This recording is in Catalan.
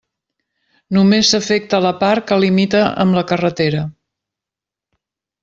Només s'afecta la part que limita amb la carretera.